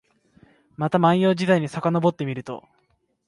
また万葉時代にさかのぼってみると、